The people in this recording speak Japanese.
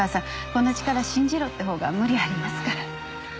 こんな力信じろって方が無理ありますから。